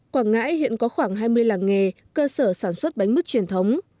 quảng ngãi hiện có khoảng hai mươi làng nghề cơ sở sản xuất bánh mứt truyền thống